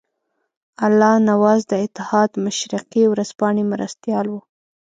الله نواز د اتحاد مشرقي ورځپاڼې مرستیال وو.